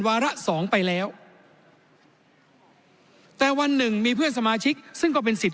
วาระสองไปแล้วแต่วันหนึ่งมีเพื่อนสมาชิกซึ่งก็เป็นสิทธิ